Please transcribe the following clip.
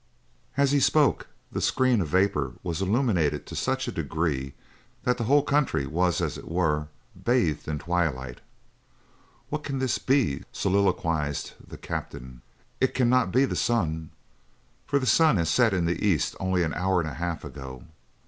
As he spoke the screen of vapor was illuminated to such a degree that the whole country was as it were bathed in twilight. "What can this be?" soliloquized the captain. "It cannot be the sun, for the sun set in the east only an hour and a half ago.